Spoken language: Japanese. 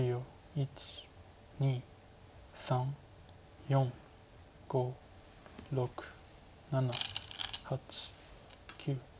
１２３４５６７８９。